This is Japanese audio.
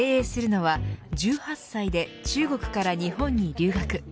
経営するのは１８歳で中国から日本に留学。